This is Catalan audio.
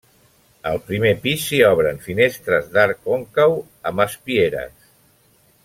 Al primer pis s'hi obren finestres d'arc còncau, amb espieres.